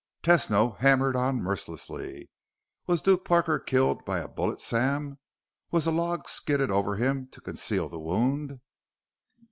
Tesno hammered on mercilessly. "Was Duke Parker killed by a bullet, Sam? Was a log skidded over him to conceal the wound?"